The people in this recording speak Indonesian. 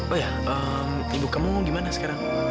oh ya ibu kamu gimana sekarang